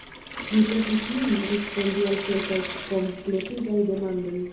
Ni petis lin respondi al kelkaj kompletigaj demandoj.